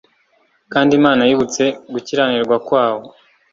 kandi Imana yibutse gukiranirwa kwawo